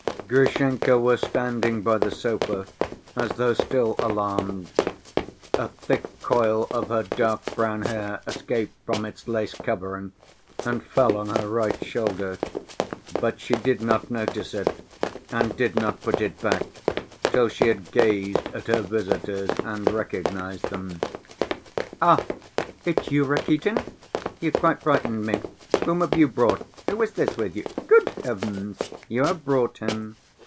Grushenka was standing by the sofa as though still alarmed. A thick coil of her dark brown hair escaped from its lace covering and fell on her right shoulder, but she did not notice it and did not put it back till she had gazed at her visitors and recognized them. "Ah, it's you, Rakitin? You quite frightened me. Whom have you brought? Who is this with you? Good heavens, you have brought him!"